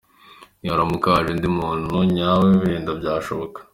Niharamuka haje undi muntu nyawe, wenda byashoboka.